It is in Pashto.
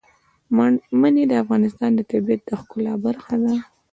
منی د افغانستان د طبیعت د ښکلا برخه ده.